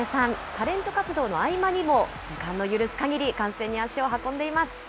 タレント活動の合間にも、時間の許すかぎり観戦に足を運んでいます。